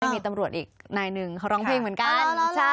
มีตำรวจอีกนายหนึ่งเขาร้องเพลงเหมือนกัน